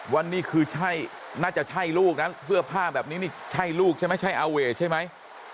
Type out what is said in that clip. ว่านี่คือใช่น่าจะใช่ลูกนะเสื้อผ้าแบบนี้นี่ใช่ลูกใช่ไหมใช่อาเวทใช่ไหม